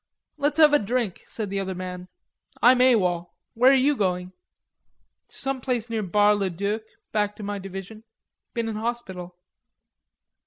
"Let's have a drink," said the other man. "I'm A.W.O.L. Where are you going?" "To some place near Bar le Duc, back to my Division. Been in hospital."